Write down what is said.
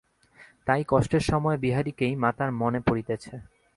তাই কষ্টের সময় বিহারীকেই মাতার মনে পড়িতেছে।